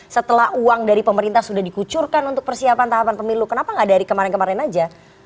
setelah uang dari pemerintah sudah dikucurkan untuk persiapan tahapan pemilu kenapa nggak dari kemarin kemarin aja